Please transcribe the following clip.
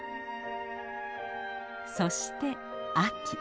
そして秋。